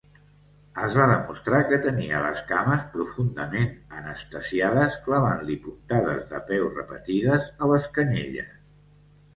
Es va demostrar que tenia les cames profundament anestesiades clavant-li puntades de peu repetides a les canyelles.